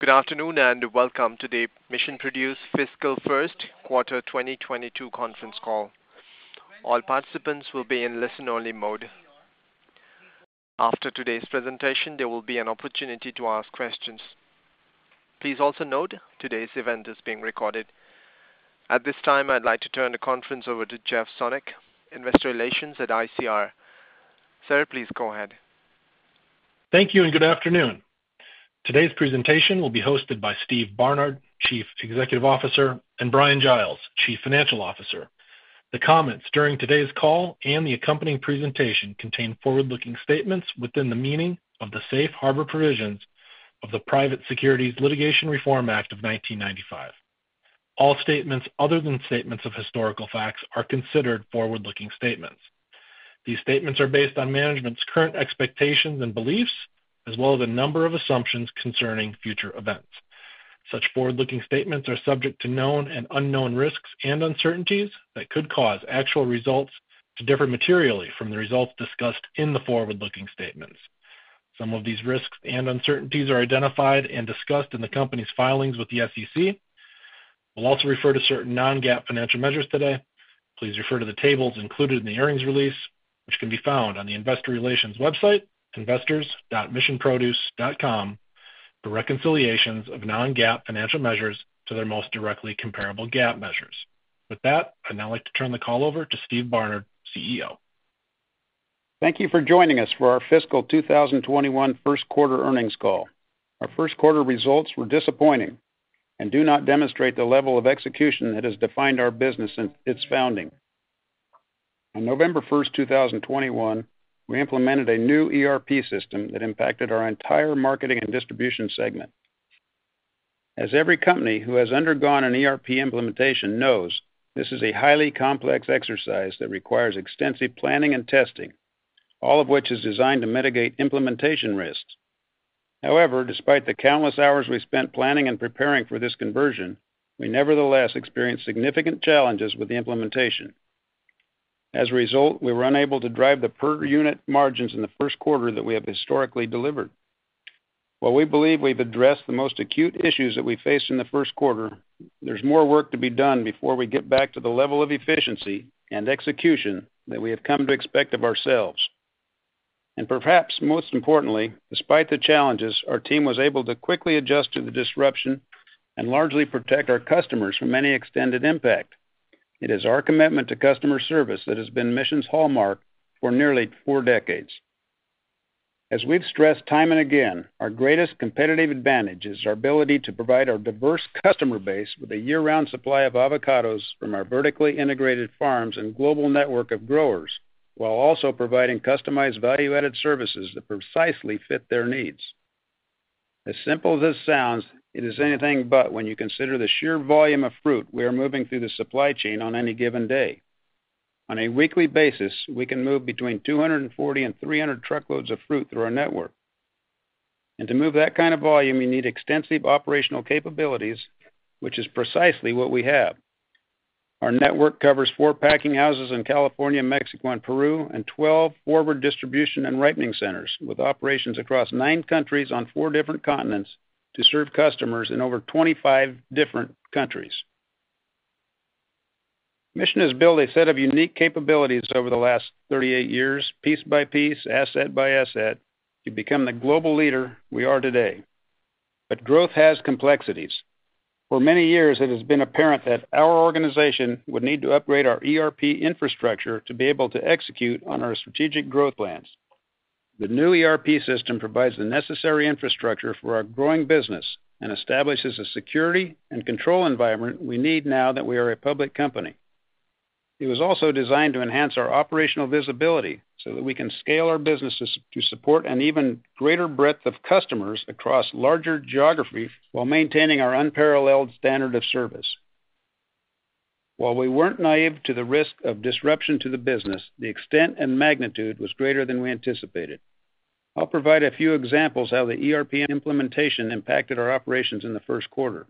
Good afternoon, and welcome to the Mission Produce Fiscal First Quarter 2022 conference call. All participants will be in listen-only mode. After today's presentation, there will be an opportunity to ask questions. Please also note, today's event is being recorded. At this time, I'd like to turn the conference over to Jeff Sonnek, Investor Relations at ICR. Sir, please go ahead. Thank you and good afternoon. Today's presentation will be hosted by Steve Barnard, Chief Executive Officer, and Bryan Giles, Chief Financial Officer. The comments during today's call and the accompanying presentation contain forward-looking statements within the meaning of the safe harbor provisions of the Private Securities Litigation Reform Act of 1995. All statements other than statements of historical facts are considered forward-looking statements. These statements are based on management's current expectations and beliefs, as well as a number of assumptions concerning future events. Such forward-looking statements are subject to known and unknown risks and uncertainties that could cause actual results to differ materially from the results discussed in the forward-looking statements. Some of these risks and uncertainties are identified and discussed in the company's filings with the SEC. We'll also refer to certain non-GAAP financial measures today. Please refer to the tables included in the earnings release, which can be found on the investor relations website, investors.missionproduce.com, for reconciliations of non-GAAP financial measures to their most directly comparable GAAP measures. With that, I'd now like to turn the call over to Steve Barnard, CEO. Thank you for joining us for our fiscal 2021 first quarter earnings call. Our first quarter results were disappointing and do not demonstrate the level of execution that has defined our business since its founding. On November 1, 2021, we implemented a new ERP system that impacted our entire Marketing & Distribution segment. As every company who has undergone an ERP implementation knows, this is a highly complex exercise that requires extensive planning and testing, all of which is designed to mitigate implementation risks. However, despite the countless hours we spent planning and preparing for this conversion, we nevertheless experienced significant challenges with the implementation. As a result, we were unable to drive the per unit margins in the first quarter that we have historically delivered. While we believe we've addressed the most acute issues that we faced in the first quarter, there's more work to be done before we get back to the level of efficiency and execution that we have come to expect of ourselves. Perhaps most importantly, despite the challenges, our team was able to quickly adjust to the disruption and largely protect our customers from any extended impact. It is our commitment to customer service that has been Mission's hallmark for nearly four decades. As we've stressed time and again, our greatest competitive advantage is our ability to provide our diverse customer base with a year-round supply of avocados from our vertically integrated farms and global network of growers, while also providing customized value-added services that precisely fit their needs. As simple as this sounds, it is anything but when you consider the sheer volume of fruit we are moving through the supply chain on any given day. On a weekly basis, we can move between 240 and 300 truckloads of fruit through our network. To move that kind of volume, you need extensive operational capabilities, which is precisely what we have. Our network covers four packing houses in California, Mexico, and Peru, and 12 forward distribution and ripening centers with operations across nine countries on four different continents to serve customers in over 25 different countries. Mission has built a set of unique capabilities over the last 38 years, piece by piece, asset by asset, to become the global leader we are today. Growth has complexities. For many years, it has been apparent that our organization would need to upgrade our ERP infrastructure to be able to execute on our strategic growth plans. The new ERP system provides the necessary infrastructure for our growing business and establishes a security and control environment we need now that we are a public company. It was also designed to enhance our operational visibility so that we can scale our businesses to support an even greater breadth of customers across larger geographies while maintaining our unparalleled standard of service. While we weren't naive to the risk of disruption to the business, the extent and magnitude was greater than we anticipated. I'll provide a few examples how the ERP implementation impacted our operations in the first quarter.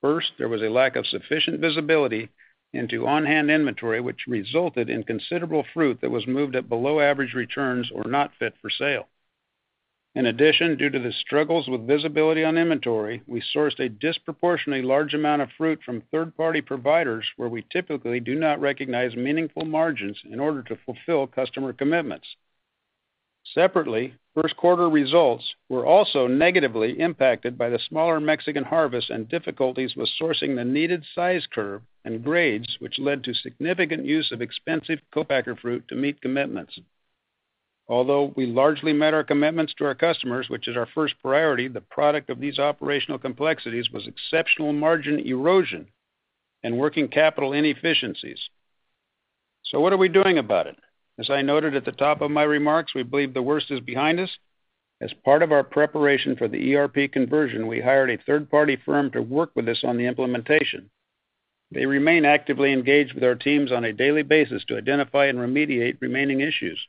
First, there was a lack of sufficient visibility into on-hand inventory, which resulted in considerable fruit that was moved at below average returns or not fit for sale. In addition, due to the struggles with visibility on inventory, we sourced a disproportionately large amount of fruit from third-party providers, where we typically do not recognize meaningful margins in order to fulfill customer commitments. Separately, first quarter results were also negatively impacted by the smaller Mexican harvest and difficulties with sourcing the needed size curve and grades, which led to significant use of expensive co-packer fruit to meet commitments. Although we largely met our commitments to our customers, which is our first priority, the product of these operational complexities was exceptional margin erosion and working capital inefficiencies. What are we doing about it? As I noted at the top of my remarks, we believe the worst is behind us. As part of our preparation for the ERP conversion, we hired a third-party firm to work with us on the implementation. They remain actively engaged with our teams on a daily basis to identify and remediate remaining issues.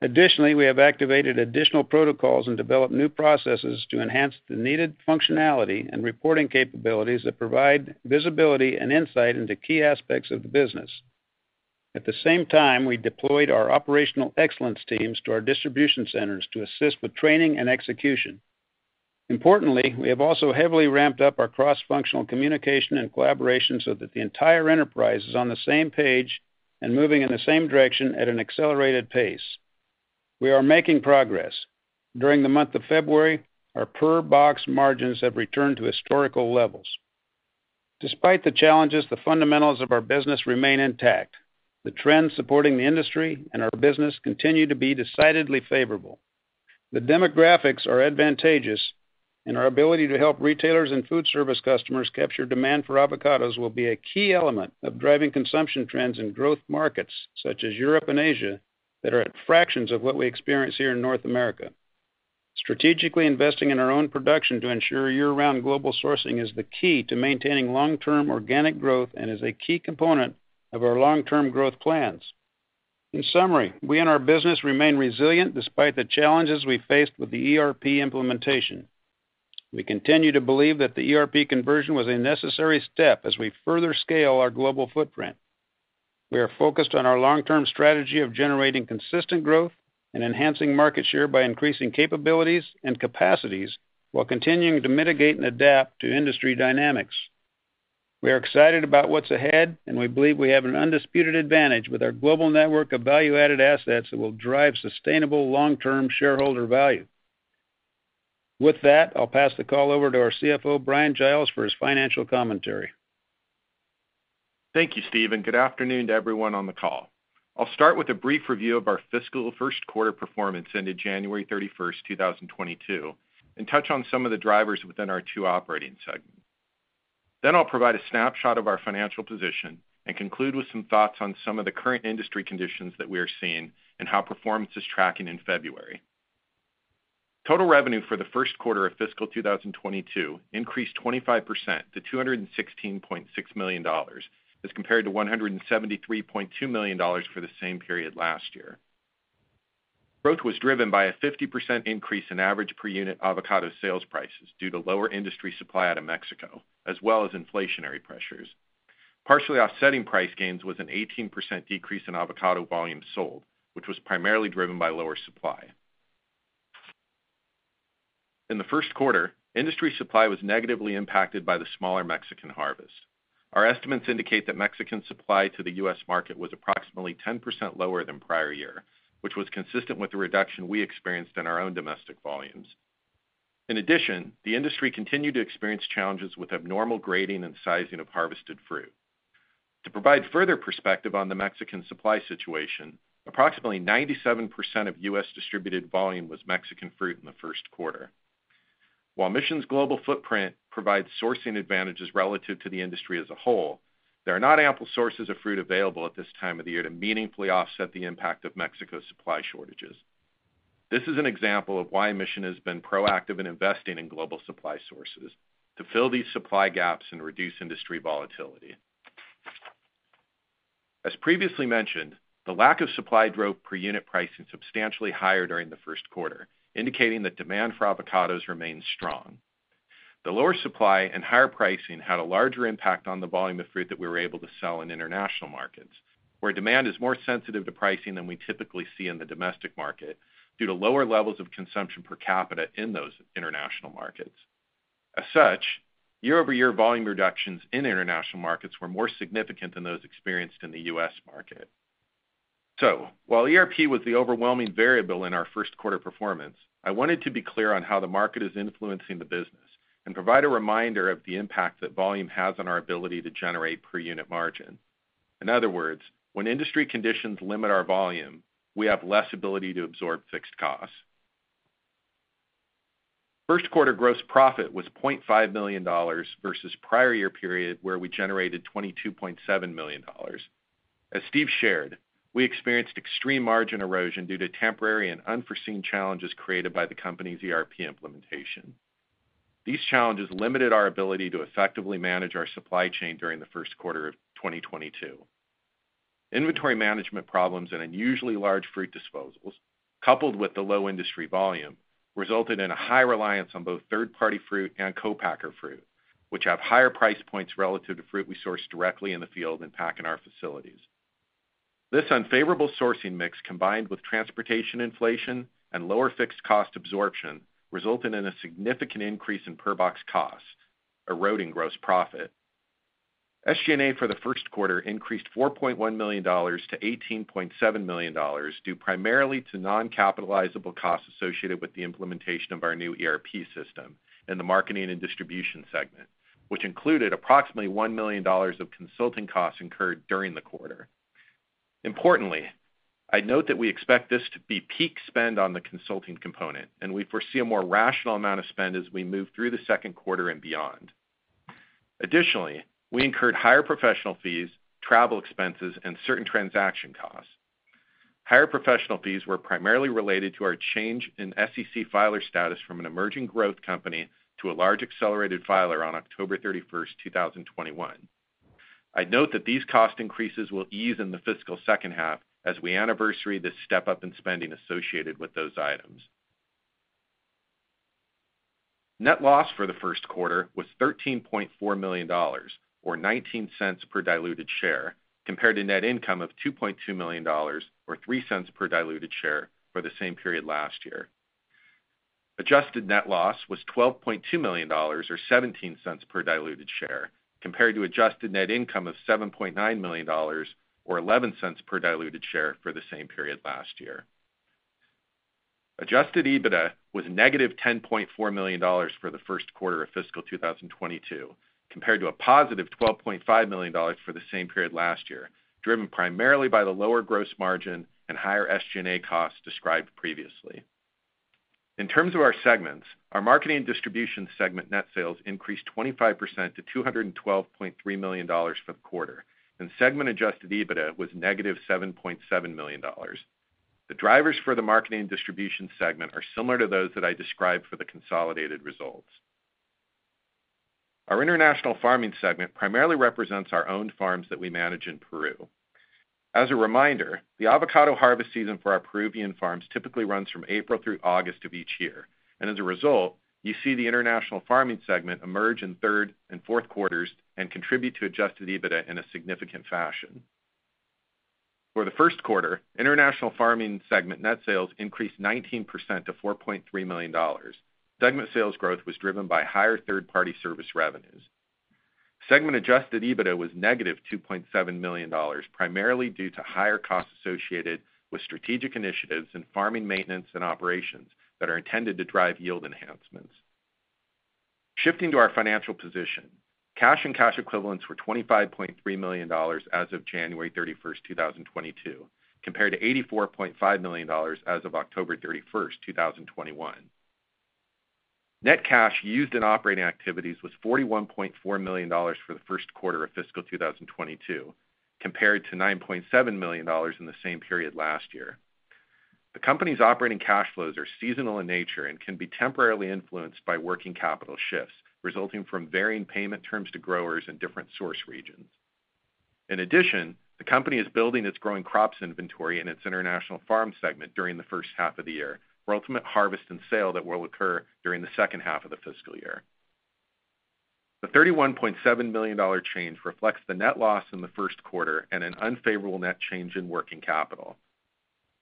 Additionally, we have activated additional protocols and developed new processes to enhance the needed functionality and reporting capabilities that provide visibility and insight into key aspects of the business. At the same time, we deployed our operational excellence teams to our distribution centers to assist with training and execution. Importantly, we have also heavily ramped up our cross-functional communication and collaboration so that the entire enterprise is on the same page and moving in the same direction at an accelerated pace. We are making progress. During the month of February, our per-box margins have returned to historical levels. Despite the challenges, the fundamentals of our business remain intact. The trends supporting the industry and our business continue to be decidedly favorable. The demographics are advantageous, and our ability to help retailers and food service customers capture demand for avocados will be a key element of driving consumption trends in growth markets, such as Europe and Asia, that are at fractions of what we experience here in North America. Strategically investing in our own production to ensure year-round global sourcing is the key to maintaining long-term organic growth and is a key component of our long-term growth plans. In summary, we and our business remain resilient despite the challenges we faced with the ERP implementation. We continue to believe that the ERP conversion was a necessary step as we further scale our global footprint. We are focused on our long-term strategy of generating consistent growth and enhancing market share by increasing capabilities and capacities while continuing to mitigate and adapt to industry dynamics. We are excited about what's ahead, and we believe we have an undisputed advantage with our global network of value-added assets that will drive sustainable long-term shareholder value. With that, I'll pass the call over to our CFO, Bryan Giles, for his financial commentary. Thank you, Steve, and good afternoon to everyone on the call. I'll start with a brief review of our fiscal first quarter performance ended January 31, 2022, and touch on some of the drivers within our two operating segments. Then I'll provide a snapshot of our financial position and conclude with some thoughts on some of the current industry conditions that we are seeing and how performance is tracking in February. Total revenue for the first quarter of fiscal 2022 increased 25% to $216.6 million as compared to $173.2 million for the same period last year. Growth was driven by a 50% increase in average per unit avocado sales prices due to lower industry supply out of Mexico, as well as inflationary pressures. Partially offsetting price gains was an 18% decrease in avocado volume sold, which was primarily driven by lower supply. In the first quarter, industry supply was negatively impacted by the smaller Mexican harvest. Our estimates indicate that Mexican supply to the U.S. market was approximately 10% lower than prior year, which was consistent with the reduction we experienced in our own domestic volumes. In addition, the industry continued to experience challenges with abnormal grading and sizing of harvested fruit. To provide further perspective on the Mexican supply situation, approximately 97% of U.S.-distributed volume was Mexican fruit in the first quarter. While Mission's global footprint provides sourcing advantages relative to the industry as a whole, there are not ample sources of fruit available at this time of the year to meaningfully offset the impact of Mexico's supply shortages. This is an example of why Mission has been proactive in investing in global supply sources to fill these supply gaps and reduce industry volatility. As previously mentioned, the lack of supply drove per unit pricing substantially higher during the first quarter, indicating that demand for avocados remains strong. The lower supply and higher pricing had a larger impact on the volume of fruit that we were able to sell in international markets, where demand is more sensitive to pricing than we typically see in the domestic market due to lower levels of consumption per capita in those international markets. As such, year-over-year volume reductions in international markets were more significant than those experienced in the U.S. market. While ERP was the overwhelming variable in our first quarter performance, I wanted to be clear on how the market is influencing the business and provide a reminder of the impact that volume has on our ability to generate per unit margin. In other words, when industry conditions limit our volume, we have less ability to absorb fixed costs. First quarter gross profit was $0.5 million versus prior year period where we generated $22.7 million. As Steve shared, we experienced extreme margin erosion due to temporary and unforeseen challenges created by the company's ERP implementation. These challenges limited our ability to effectively manage our supply chain during the first quarter of 2022. Inventory management problems and unusually large fruit disposals, coupled with the low industry volume, resulted in a high reliance on both third-party fruit and co-packer fruit, which have higher price points relative to fruit we source directly in the field and pack in our facilities. This unfavorable sourcing mix, combined with transportation inflation and lower fixed cost absorption, resulted in a significant increase in per-box cost, eroding gross profit. SG&A for the first quarter increased $4.1 million to $18.7 million due primarily to non-capitalizable costs associated with the implementation of our new ERP system in the Marketing & Distribution segment, which included approximately $1 million of consulting costs incurred during the quarter. Importantly, I'd note that we expect this to be peak spend on the consulting component, and we foresee a more rational amount of spend as we move through the second quarter and beyond. Additionally, we incurred higher professional fees, travel expenses, and certain transaction costs. Higher professional fees were primarily related to our change in SEC filer status from an emerging growth company to a large accelerated filer on October 31st, 2021. I'd note that these cost increases will ease in the fiscal second half as we anniversary this step-up in spending associated with those items. Net loss for the first quarter was $13.4 million or $0.19 per diluted share, compared to net income of $2.2 million or $0.03 per diluted share for the same period last year. Adjusted net loss was $12.2 million or $0.17 per diluted share, compared to adjusted net income of $7.9 million or $0.11 per diluted share for the same period last year. Adjusted EBITDA was negative $10.4 million for the first quarter of fiscal 2022, compared to positive $12.5 million for the same period last year, driven primarily by the lower gross margin and higher SG&A costs described previously. In terms of our segments, our Marketing & Distribution segment net sales increased 25% to $212.3 million for the quarter, and segment adjusted EBITDA was negative $7.7 million. The drivers for the Marketing & Distribution segment are similar to those that I described for the consolidated results. Our International Farming segment primarily represents our owned farms that we manage in Peru. As a reminder, the avocado harvest season for our Peruvian farms typically runs from April through August of each year. As a result, you see the International Farming segment emerge in third and fourth quarters and contribute to Adjusted EBITDA in a significant fashion. For the first quarter, International Farming segment net sales increased 19% to $4.3 million. Segment sales growth was driven by higher third-party service revenues. Segment Adjusted EBITDA was -$2.7 million, primarily due to higher costs associated with strategic initiatives in farming maintenance and operations that are intended to drive yield enhancements. Shifting to our financial position, cash and cash equivalents were $25.3 million as of January 31, 2022, compared to $84.5 million as of October 31, 2021. Net cash used in operating activities was $41.4 million for the first quarter of fiscal 2022, compared to $9.7 million in the same period last year. The company's operating cash flows are seasonal in nature and can be temporarily influenced by working capital shifts resulting from varying payment terms to growers in different source regions. In addition, the company is building its growing crops inventory in its International Farming segment during the first half of the year for ultimate harvest and sale that will occur during the second half of the fiscal year. The $31.7 million change reflects the net loss in the first quarter and an unfavorable net change in working capital.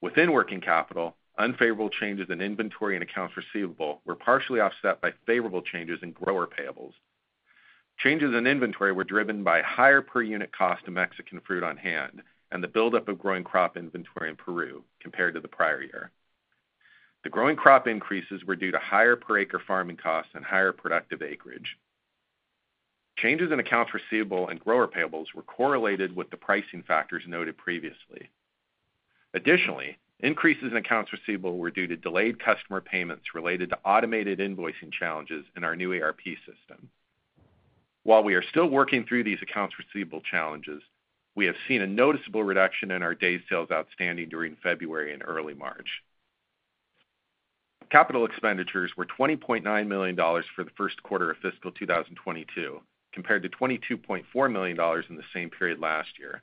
Within working capital, unfavorable changes in inventory and accounts receivable were partially offset by favorable changes in grower payables. Changes in inventory were driven by higher per unit cost of Mexican fruit on hand and the buildup of growing crop inventory in Peru compared to the prior year. The growing crop increases were due to higher per acre farming costs and higher productive acreage. Changes in accounts receivable and grower payables were correlated with the pricing factors noted previously. Additionally, increases in accounts receivable were due to delayed customer payments related to automated invoicing challenges in our new ERP system. While we are still working through these accounts receivable challenges, we have seen a noticeable reduction in our days sales outstanding during February and early March. Capital expenditures were $20.9 million for the first quarter of fiscal 2022, compared to $22.4 million in the same period last year.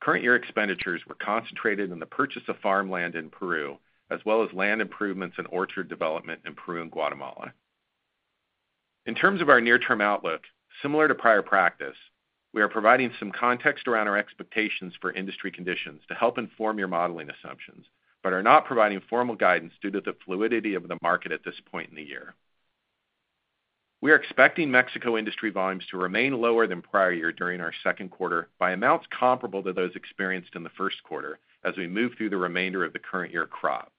Current year expenditures were concentrated in the purchase of farmland in Peru, as well as land improvements in orchard development in Peru and Guatemala. In terms of our near-term outlook, similar to prior practice, we are providing some context around our expectations for industry conditions to help inform your modeling assumptions, but are not providing formal guidance due to the fluidity of the market at this point in the year. We are expecting Mexico industry volumes to remain lower than prior year during our second quarter by amounts comparable to those experienced in the first quarter as we move through the remainder of the current year crop.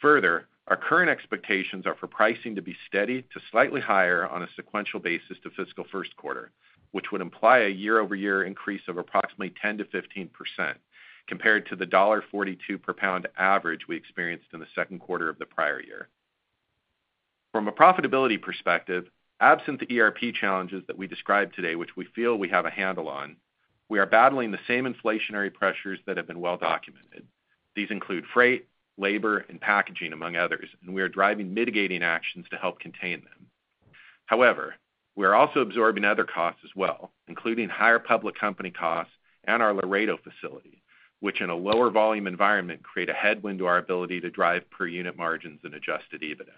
Further, our current expectations are for pricing to be steady to slightly higher on a sequential basis to fiscal first quarter, which would imply a year-over-year increase of approximately 10%-15% compared to the $42 per pound average we experienced in the second quarter of the prior year. From a profitability perspective, absent the ERP challenges that we described today, which we feel we have a handle on, we are battling the same inflationary pressures that have been well documented. These include freight, labor, and packaging, among others, and we are driving mitigating actions to help contain them. However, we are also absorbing other costs as well, including higher public company costs and our Laredo facility, which in a lower volume environment create a headwind to our ability to drive per unit margins and Adjusted EBITDA.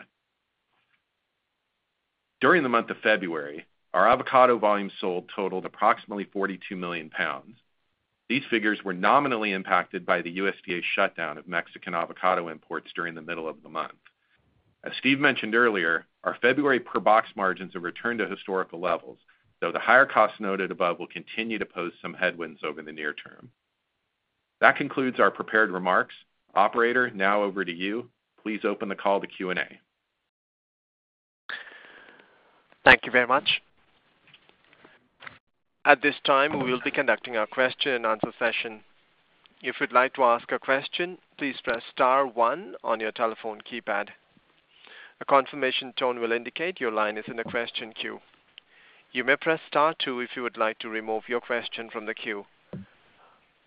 During the month of February, our avocado volume sold totaled approximately 42 million pounds. These figures were nominally impacted by the USDA shutdown of Mexican avocado imports during the middle of the month. As Steve mentioned earlier, our February per box margins have returned to historical levels, though the higher costs noted above will continue to pose some headwinds over the near term. That concludes our prepared remarks. Operator, now over to you. Please open the call to Q&A. Thank you very much. At this time, we will be conducting our question and answer session. If you'd like to ask a question, please press star one on your telephone keypad. A confirmation tone will indicate your line is in the question queue. You may press star two if you would like to remove your question from the queue.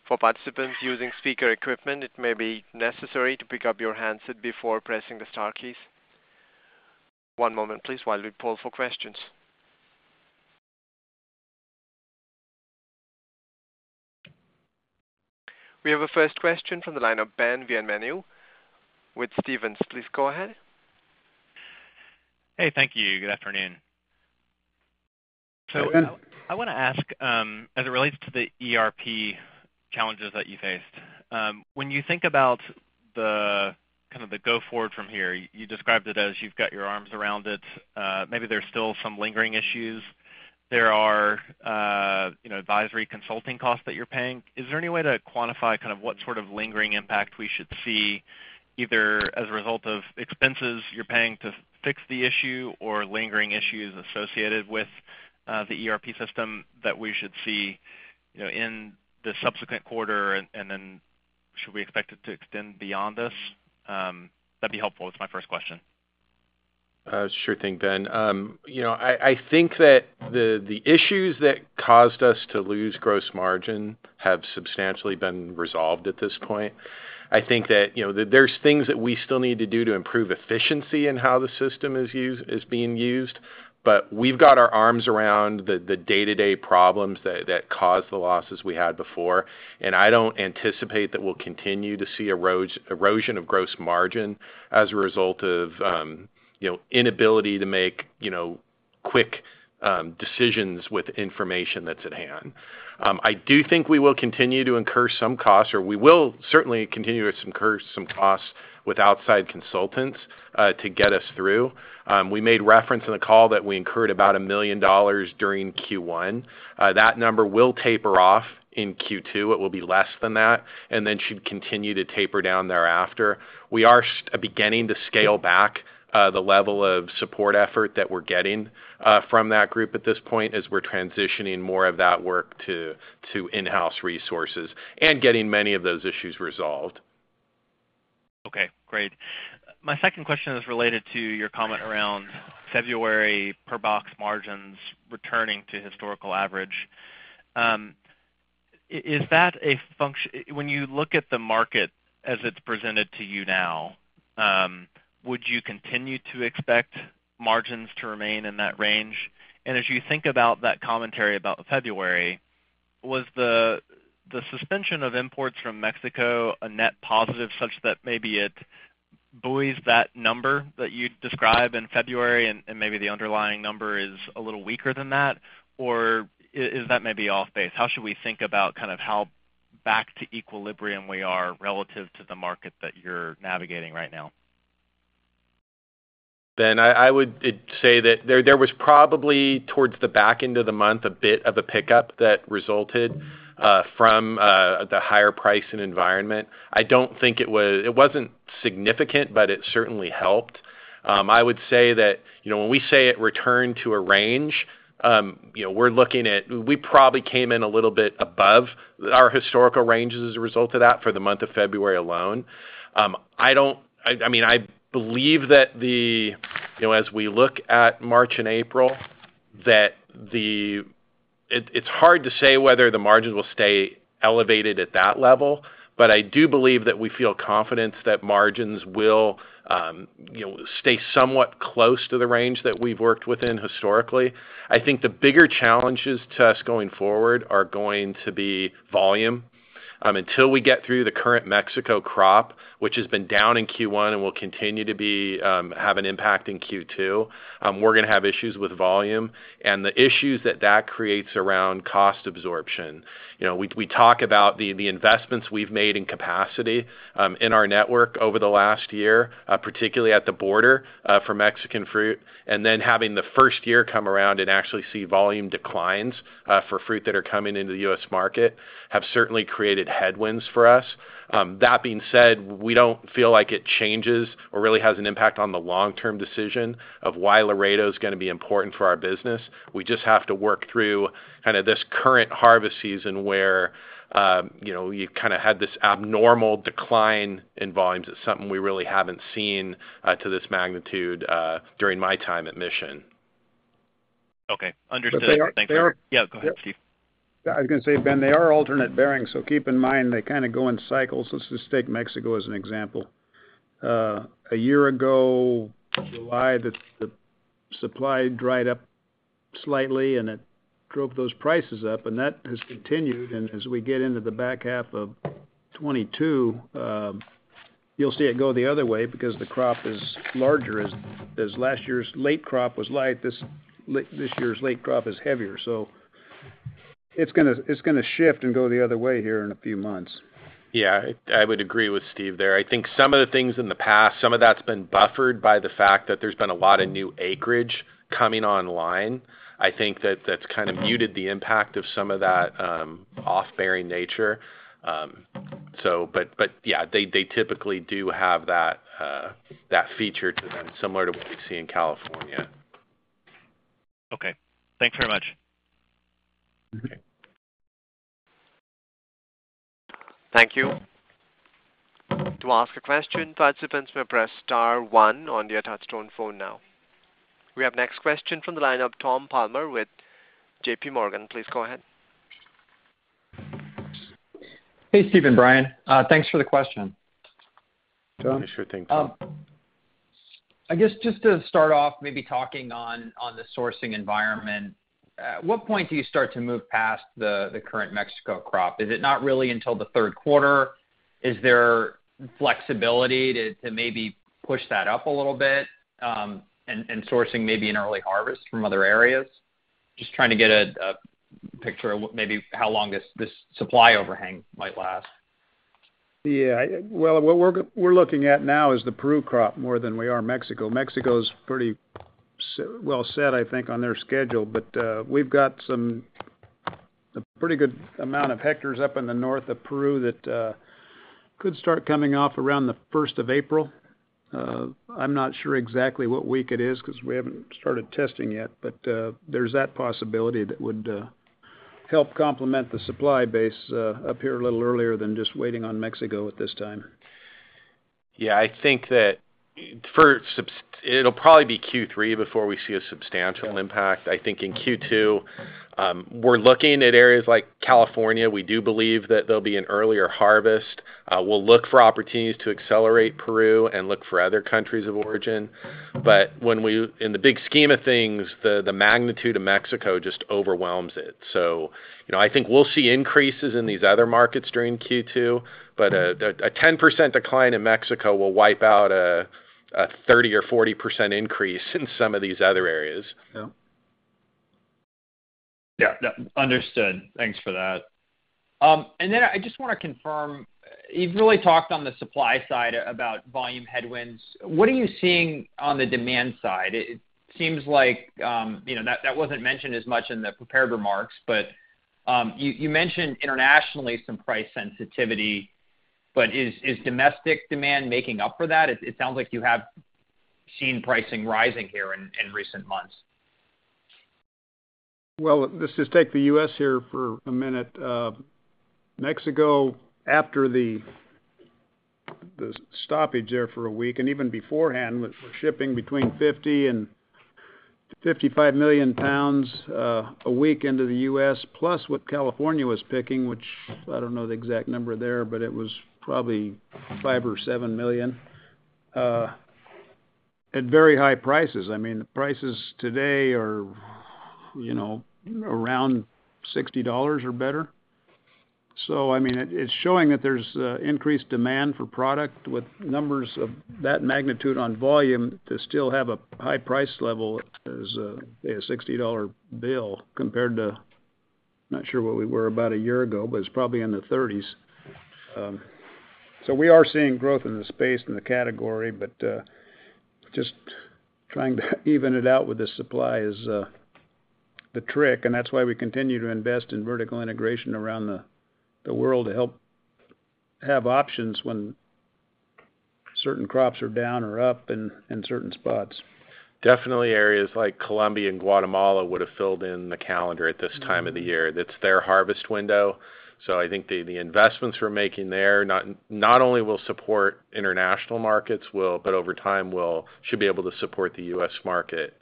For participants using speaker equipment, it may be necessary to pick up your handset before pressing the star keys. One moment please while we poll for questions. We have a first question from the line of Ben Bienvenu with Stephens. Please go ahead. Hey, thank you. Good afternoon. Hi, Ben. I wanna ask, as it relates to the ERP challenges that you faced, when you think about the kind of the go forward from here, you described it as you've got your arms around it, maybe there's still some lingering issues. There are, you know, advisory consulting costs that you're paying. Is there any way to quantify kind of what sort of lingering impact we should see either as a result of expenses you're paying to fix the issue or lingering issues associated with the ERP system that we should see, you know, in the subsequent quarter? And then should we expect it to extend beyond this? That'd be helpful. It's my first question. Sure thing, Ben. You know, I think that the issues that caused us to lose gross margin have substantially been resolved at this point. I think that, you know, there's things that we still need to do to improve efficiency in how the system is being used. We've got our arms around the day-to-day problems that caused the losses we had before, and I don't anticipate that we'll continue to see erosion of gross margin as a result of, you know, inability to make, you know, quick decisions with information that's at hand. I do think we will continue to incur some costs, or we will certainly continue to incur some costs with outside consultants to get us through. We made reference in the call that we incurred about $1 million during Q1. That number will taper off in Q2. It will be less than that and then should continue to taper down thereafter. We are beginning to scale back the level of support effort that we're getting from that group at this point as we're transitioning more of that work to in-house resources and getting many of those issues resolved. Okay, great. My second question is related to your comment around February per box margins returning to historical average. When you look at the market as it's presented to you now, would you continue to expect margins to remain in that range? As you think about that commentary about February, was the suspension of imports from Mexico a net positive such that maybe it buoys that number that you describe in February and maybe the underlying number is a little weaker than that? Or is that maybe off base? How should we think about kind of how back to equilibrium we are relative to the market that you're navigating right now? Ben, I would say that there was probably towards the back end of the month a bit of a pickup that resulted from the higher pricing environment. I don't think it was significant, but it certainly helped. I would say that, you know, when we say it returned to a range, you know, we're looking at, we probably came in a little bit above our historical ranges as a result of that for the month of February alone. I mean, I believe that, you know, as we look at March and April, it's hard to say whether the margins will stay elevated at that level, but I do believe that we feel confidence that margins will stay somewhat close to the range that we've worked within historically. I think the bigger challenges to us going forward are going to be volume. Until we get through the current Mexico crop, which has been down in Q1 and will continue to be down and have an impact in Q2, we're gonna have issues with volume and the issues that that creates around cost absorption. You know, we talk about the investments we've made in capacity in our network over the last year, particularly at the border, for Mexican fruit, and then having the first year come around and actually see volume declines for fruit that are coming into the U.S. market have certainly created headwinds for us. That being said, we don't feel like it changes or really has an impact on the long-term decision of why Laredo's gonna be important for our business. We just have to work through kind of this current harvest season where, you know, you've kind of had this abnormal decline in volumes. It's something we really haven't seen to this magnitude during my time at Mission. Okay. Understood. They are. Thank you. Yeah, go ahead, Steve. Yeah, I was gonna say, Ben, they are alternate bearing, so keep in mind they kind of go in cycles. Let's just take Mexico as an example. A year ago July, the supply dried up slightly, and it drove those prices up, and that has continued. As we get into the back half of 2022, you'll see it go the other way because the crop is larger. As last year's late crop was light, this year's late crop is heavier. It's gonna shift and go the other way here in a few months. Yeah. I would agree with Steve there. I think some of the things in the past, some of that's been buffered by the fact that there's been a lot of new acreage coming online. I think that that's kind of muted the impact of some of that, off-bearing nature. Yeah, they typically do have that feature to them, similar to what we see in California. Okay. Thanks very much. Mm-hmm. Thank you. To ask a question, participants may press star one on your touch tone phone now. We have our next question from the line of Tom Palmer with J.P. Morgan. Please go ahead. Hey, Steve and Bryan. Thanks for the question. Sure thing, Tom. I guess just to start off maybe talking on the sourcing environment, at what point do you start to move past the current Mexico crop? Is it not really until the third quarter? Is there flexibility to maybe push that up a little bit, and sourcing maybe an early harvest from other areas? Just trying to get a picture of what maybe how long this supply overhang might last. Well, what we're looking at now is the Peru crop more than we are Mexico. Mexico's pretty well set, I think, on their schedule. We've got a pretty good amount of hectares up in the north of Peru that could start coming off around the first of April. I'm not sure exactly what week it is 'cause we haven't started testing yet, but there's that possibility that would help complement the supply base up here a little earlier than just waiting on Mexico at this time. Yeah, I think that it'll probably be Q3 before we see a substantial impact. I think in Q2, we're looking at areas like California. We do believe that there'll be an earlier harvest. We'll look for opportunities to accelerate Peru and look for other countries of origin. In the big scheme of things, the magnitude of Mexico just overwhelms it. You know, I think we'll see increases in these other markets during Q2, but a 10% decline in Mexico will wipe out a 30% or 40% increase in some of these other areas. Yeah. Yeah, no. Understood. Thanks for that. I just wanna confirm, you've really talked on the supply side about volume headwinds. What are you seeing on the demand side? It seems like, you know, that wasn't mentioned as much in the prepared remarks, but you mentioned internationally some price sensitivity, but is domestic demand making up for that? It sounds like you have seen pricing rising here in recent months. Well, let's just take the U.S. here for a minute. Mexico, after the stoppage there for a week and even beforehand, was shipping between 50 and 55 million lbs a week into the U.S., plus what California was picking, which I don't know the exact number there, but it was probably 5 or 7 million lbs at very high prices. I mean, the prices today are, you know, around $60 or better. I mean, it's showing that there's increased demand for product with numbers of that magnitude on volume to still have a high price level, a $60 bill compared to not sure what we were about a year ago, but it's probably in the 30s. We are seeing growth in the space, in the category, but just trying to even it out with the supply is the trick, and that's why we continue to invest in vertical integration around the world to help have options when certain crops are down or up in certain spots. Definitely areas like Colombia and Guatemala would have filled in the calendar at this time of the year. That's their harvest window. I think the investments we're making there not only will support international markets, but over time, should be able to support the U.S. market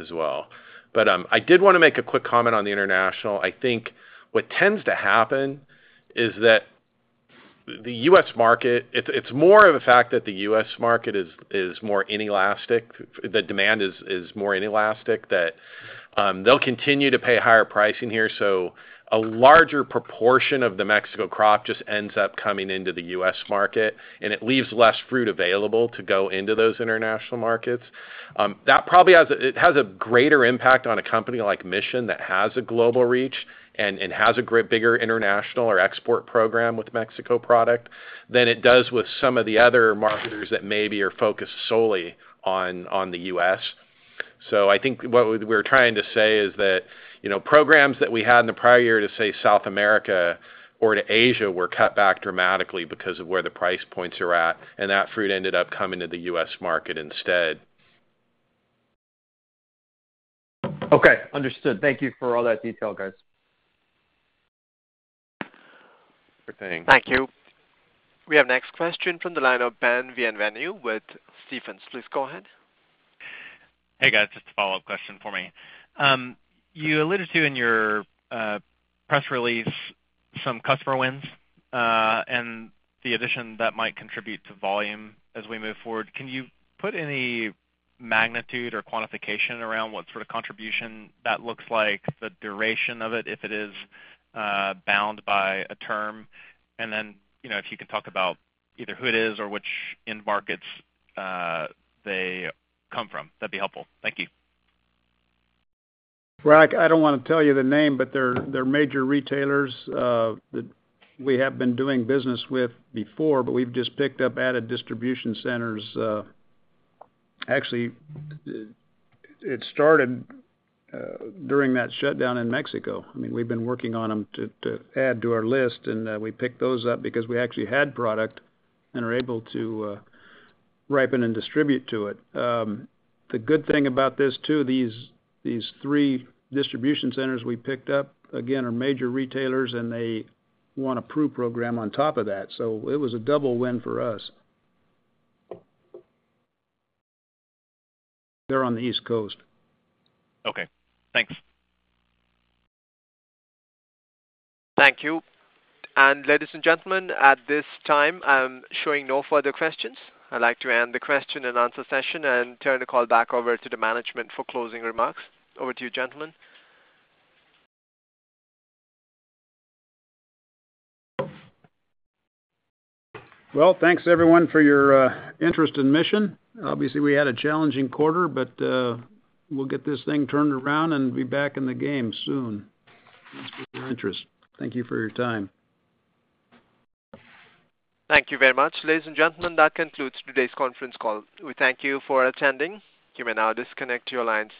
as well. I did wanna make a quick comment on the international. I think what tends to happen is that the U.S. market is more inelastic, the demand is more inelastic, that they'll continue to pay higher pricing here. A larger proportion of the Mexico crop just ends up coming into the U.S. market, and it leaves less fruit available to go into those international markets. That probably has a greater impact on a company like Mission that has a global reach and has a greater international or export program with Mexican product than it does with some of the other marketers that maybe are focused solely on the U.S. I think what we're trying to say is that, you know, programs that we had in the prior year to, say, South America or to Asia were cut back dramatically because of where the price points are at, and that fruit ended up coming to the U.S. market instead. Okay, understood. Thank you for all that detail, guys. Sure thing. Thank you. We have next question from the line of Ben Bienvenu with Stephens. Please go ahead. Hey, guys. Just a follow-up question for me. You alluded to in your press release some customer wins, and the addition that might contribute to volume as we move forward. Can you put any magnitude or quantification around what sort of contribution that looks like, the duration of it, if it is bound by a term? Then, you know, if you could talk about either who it is or which end markets they come from, that'd be helpful. Thank you. Well, I don't wanna tell you the name, but they're major retailers that we have been doing business with before, but we've just picked up added distribution centers. Actually, it started during that shutdown in Mexico. I mean, we've been working on them to add to our list, and we picked those up because we actually had product and are able to ripen and distribute to it. The good thing about this too, these three distribution centers we picked up, again, are major retailers, and they want a Peru program on top of that. It was a double win for us. They're on the East Coast. Okay, thanks. Thank you. Ladies and gentlemen, at this time, I'm showing no further questions. I'd like to end the question and answer session and turn the call back over to the management for closing remarks. Over to you, gentlemen. Well, thanks everyone for your interest in Mission. Obviously, we had a challenging quarter, but we'll get this thing turned around and be back in the game soon. Thanks for your interest. Thank you for your time. Thank you very much. Ladies and gentlemen, that concludes today's conference call. We thank you for attending. You may now disconnect your lines.